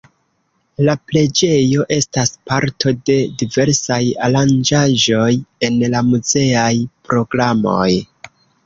La preĝejo estas parto de diversaj aranĝaĵoj en la muzeaj programoj.